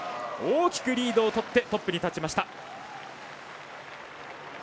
大きくリードをとってトップに立ちました。